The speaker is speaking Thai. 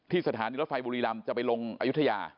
สถานีรถไฟบุรีรำจะไปลงอายุทยา